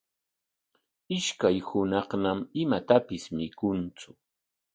Ishkay hunaqñam imatapis mikuntsu.